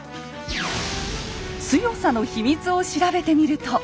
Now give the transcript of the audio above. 強さの秘密を調べてみると。